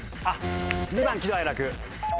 ２番喜怒哀楽。